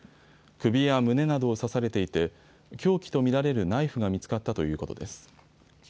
首や胸などを刺されていて凶器と見られるナイフが見つかったということです。